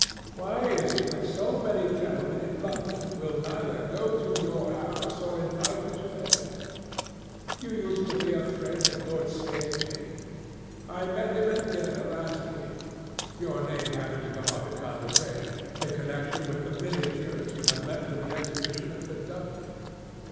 Why is it that so many gentlemen in London will neither go to your house or invite you to theirs? You used to be a friend of Lord Staveley. I met him at dinner last week. Your name happened to come up in conversation, in connection with the miniatures you have lent to the exhibition at the Dudley.